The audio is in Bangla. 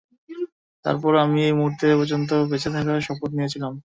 তারপরও আমি এই মুহূর্ত পর্যন্ত বেঁচে থাকার শপথ নিয়েছিলাম।